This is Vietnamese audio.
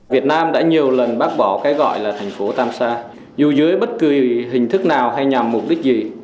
việt nam đã nhiều lần bác bỏ cái gọi là thành phố tam sa dù dưới bất kỳ hình thức nào hay nhằm mục đích gì